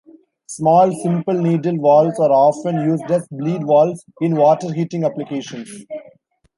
Small, simple needle valves are often used as bleed valves in water-heating applications.